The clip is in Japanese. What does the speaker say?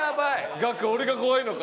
「ガク俺が怖いのか？」。